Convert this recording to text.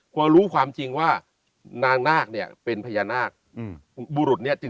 พอรู้ความจริงว่านางนาคเนี่ยเป็นพญานาคบุรุษเนี่ย